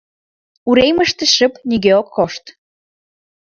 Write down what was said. Уремыште шып, нигӧ ок кошт.